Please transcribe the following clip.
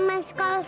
main sekolah sepeda